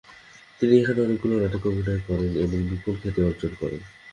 তিনি এখানে অনেকগুলো নাটকে অভিনয় করেন এবং বিপুল খ্যাতি অর্জন করেন।